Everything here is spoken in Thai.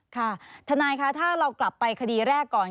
ค่ะทนายคะถ้าเรากลับไปคดีแรกก่อน